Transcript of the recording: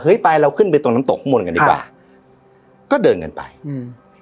ไปเราขึ้นไปตรงน้ำตกข้างบนกันดีกว่าก็เดินกันไปอืม